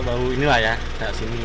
baru ini lah ya tak sini